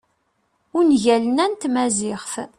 ungalen-a n tmaziɣt